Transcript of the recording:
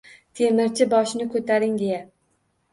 Temirchi boshini ko’taring deya